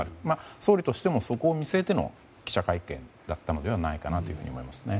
総理としてもそこを見据えての記者会見だったのではないかと思います。